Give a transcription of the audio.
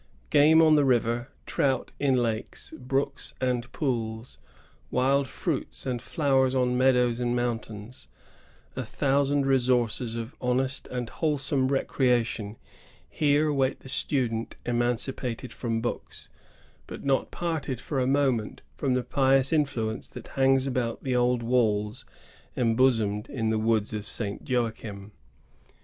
Game on the river; trout in lakes, brooks, and pools; wild fruits and flowera on meadows and moimtains, — a thousand resources of honest and wholesome recreation here wait the student emancipated from books, but not parted for a moment from the pious influence which hangs about the old walls embosomed in the woods of St. Joachim.